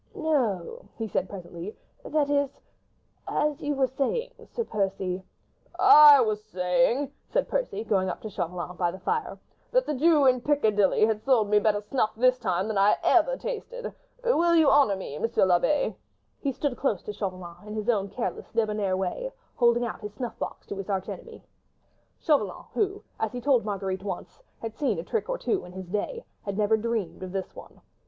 "No," he said presently, "that is—as you were saying, Sir Percy—?" "I was saying," said Blakeney, going up to Chauvelin, by the fire, "that the Jew in Piccadilly has sold me better snuff this time than I have ever tasted. Will you honour me, Monsieur l'Abbé?" He stood close to Chauvelin in his own careless, débonnaire way, holding out his snuff box to his arch enemy. Chauvelin, who, as he told Marguerite once, had seen a trick or two in his day, had never dreamed of this one.